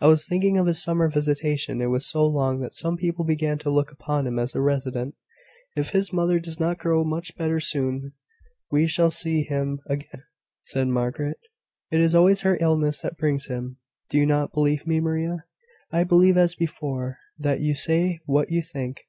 I was thinking of his summer visitation. It was so long, that some people began to look upon him as a resident." "If his mother does not grow much better soon, we shall see him again," said Margaret. "It is always her illness that brings him. Do you not believe me, Maria?" "I believe, as before, that you say what you think.